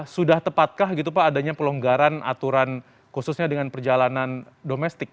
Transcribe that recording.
sudah tepatkah gitu pak adanya pelonggaran aturan khususnya dengan perjalanan domestik